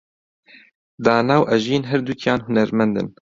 دانا و ئەژین هەردووکیان هونەرمەندن.